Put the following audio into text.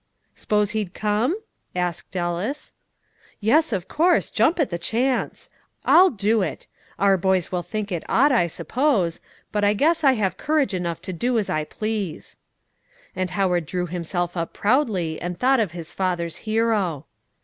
"S'pose he'd come?" asked Ellis. "Yes, of course; jump at the chance. I'll do it. Our boys will think it odd, I suppose; but I guess I have courage enough to do as I please." And Howard drew himself up proudly, and thought of his father's hero.